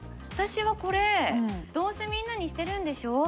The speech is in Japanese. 私はこれどうせみんなにしてるんでしょ？